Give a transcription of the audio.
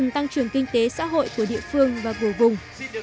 tăng trưởng kinh tế xã hội của địa phương và của vùng